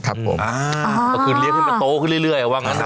คือเรียกขึ้นมาโต๊ะขึ้นเรื่อย